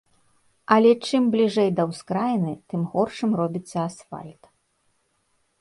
Але чым бліжэй да ўскраіны, тым горшым робіцца асфальт.